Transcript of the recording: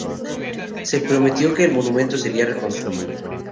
Se prometió que el monumento sería reconstruido.